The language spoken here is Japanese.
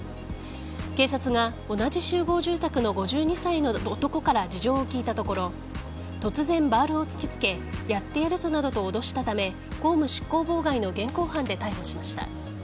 警察が同じ集合住宅の５２歳の男から事情を聴いたところ突然、バールを突きつけやってやるぞなどと脅したため公務執行妨害の現行犯で逮捕しました。